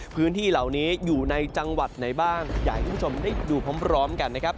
พื้นที่เหล่านี้อยู่ในจังหวัดไหนบ้างอยากให้คุณผู้ชมได้ดูพร้อมกันนะครับ